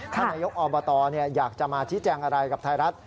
ท่านนายกอบตอยากจะมาชี้แจงอะไรกับไทยรัฐ